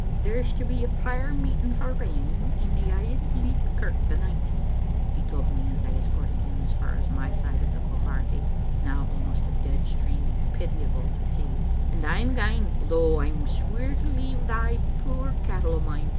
" There's to be a prayer meeting for rain in the Auld Licht kirk the night," he told me as I escorted him as far as my side of the Quharity, now almost a dead stream, pitiable to see, "and I'm gaen; though I'm sweer to leave thae puir cattle o* mine.